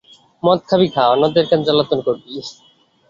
মদ খাবি খা, অন্যদের কেন জ্বালাতন করবি?